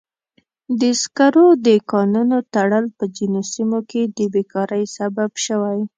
د سکرو د کانونو تړل په ځینو سیمو کې د بیکارۍ سبب شوی.